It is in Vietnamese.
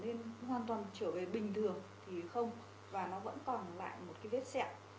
nhưng bảo cái nghiêm mạng đó hoàn toàn trở về bình thường thì không và nó vẫn còn lại một cái vết xẹo